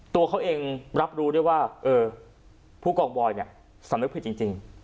ตัวเขาเองรับรู้ได้ว่าผู้กองบอยเนี่ยสำนึกผิดจริง